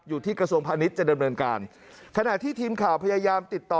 อยู่ที่กระทรวงพาณิชย์จะดำเนินการขณะที่ทีมข่าวพยายามติดต่อ